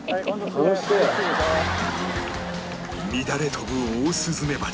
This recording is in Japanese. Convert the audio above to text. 乱れ飛ぶオオスズメバチ